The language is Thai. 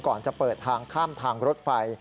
ก่อนจะเปิดทางข้ามทางรถไฟ